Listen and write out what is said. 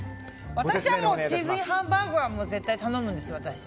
私はチーズＩＮハンバーグは絶対頼むんですよ。